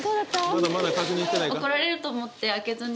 まだまだ確認してないか？